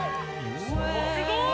すごーい！